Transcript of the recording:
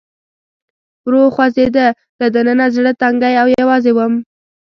ورو خوځېده، له دننه زړه تنګی او یوازې ووم.